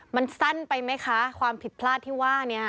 มันสั้นไปไหมคะความผิดพลาดที่ว่านี้